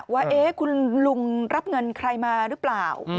ว่าคุณลุงรับเงินใครมาหรือเปล่า